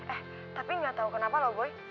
eh tapi gak tau kenapa loh boy